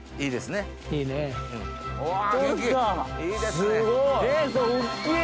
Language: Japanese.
すごい！